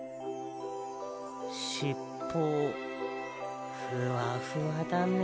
しっぽふわふわだね。